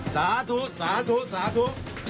สาธุสาธุสาธุ